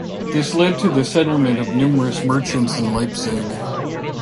This led to the settlement of numerous merchants in Leipzig.